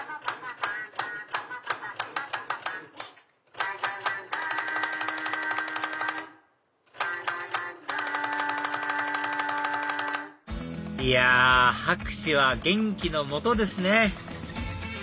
パパパパンいや拍手は元気のもとですね